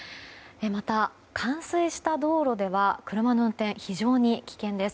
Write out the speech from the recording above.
また冠水した道路では車の運転非常に危険です。